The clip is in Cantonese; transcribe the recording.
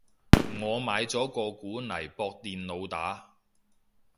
我買咗個鼓嚟駁電腦打